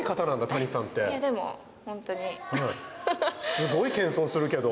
すごい謙遜するけど。